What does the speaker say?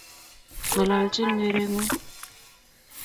ng'olonchin ng'erengung'